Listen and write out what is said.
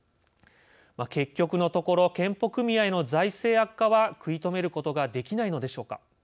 結局のところ健保組合の財政悪化は食い止めることができないのでしょうか。